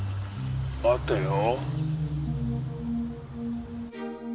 待てよ。